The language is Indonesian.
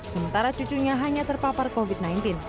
sementara cucunya hanya terpapar covid sembilan belas